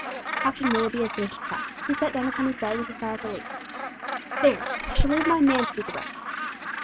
Captain Willoughby had finished his task. He sat down upon his bag with a sigh of relief. "There! I shall leave my man to do the rest.